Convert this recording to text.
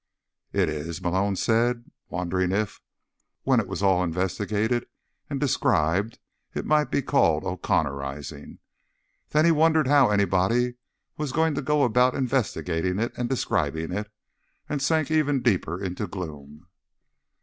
"It is?" Malone said, wondering if, when it was all investigated and described, it might be called O'Connorizing. Then he wondered how anybody was going to go about investigating it and describing it, and sank even deeper into gloom.